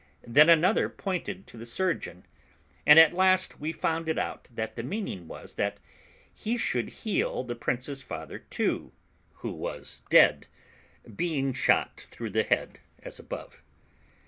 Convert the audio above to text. Then another pointed to the surgeon, and at last we found it out, that the meaning was, that he should heal the prince's father too, who was dead, being shot through the head, as above.